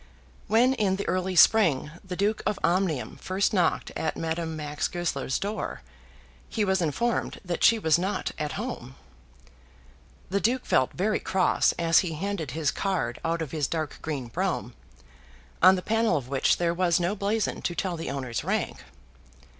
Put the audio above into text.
When in the early spring the Duke of Omnium first knocked at Madame Max Goesler's door, he was informed that she was not at home. The Duke felt very cross as he handed his card out from his dark green brougham, on the panel of which there was no blazon to tell the owner's rank.